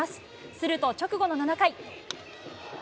すると直後の７回。